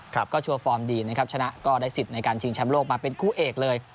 ก็ชัวร์ฟอร์มดีนะครับชนะก็ได้สิทธิ์ในการชิงแชมป์โลกมาเป็นคู่เอกเลย